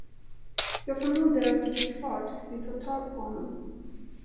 Jag förmodar att du blir kvar tills vi fått tag på honom.